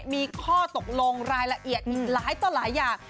มีข้อตกลงรายละเอียดอีกหลายต่อหลายอย่าง